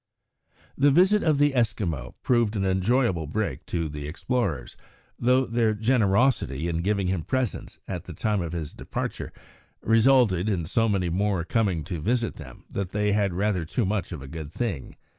The visit of the Eskimo proved an enjoyable break to the explorers, though their generosity in giving him presents, at the time of his departure, resulted in so many more coming to visit them that they had rather too much of a good thing.